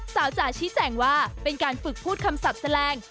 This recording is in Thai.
จ๋าชี้แจงว่าเป็นการฝึกพูดคำศัพท์แสดง